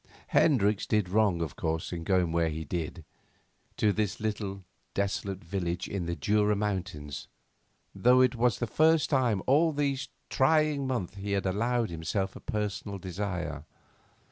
Hendricks did wrong, of course, in going where he did to this little desolate village in the Jura Mountains though it was the first time all these trying months he had allowed himself a personal desire.